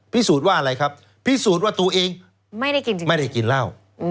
พิสูจน์ว่าอะไรครับพิสูจน์ว่าตัวเองไม่ได้กินเล่า